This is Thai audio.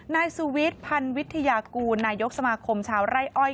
นายสุวิทย์พันธ์วิทยากูลนายกสมาคมชาวไร่อ้อย